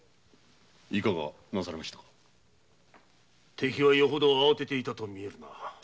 敵はよほど慌てていたとみえる。